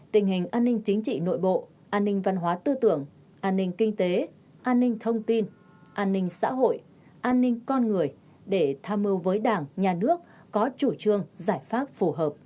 tình hình an ninh chính trị nội bộ an ninh văn hóa tư tưởng an ninh kinh tế an ninh thông tin an ninh xã hội an ninh con người để tham mưu với đảng nhà nước có chủ trương giải pháp phù hợp